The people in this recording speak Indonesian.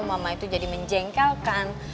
mama itu jadi menjengkelkan